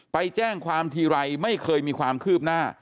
ไปแจ้งความทีไรไม่เคยมีความคืบหน้า